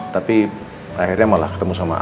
tapi akhirnya malah ketemu sama